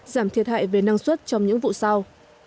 giảm thiệt hại về năng suất trong những vụ sau